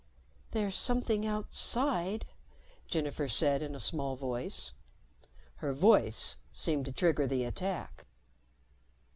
"There's something outside," Jennifer said in a small voice. Her voice seemed to trigger the attack.